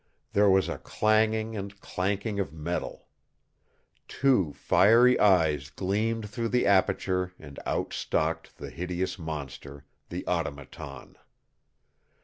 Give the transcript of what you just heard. There was a clanging and clanking of metal. Two fiery eyes gleamed through the aperture and out stalked the hideous monster, the Automaton.